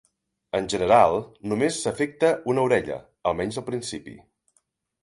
En general només s'afecta una orella, almenys al principi.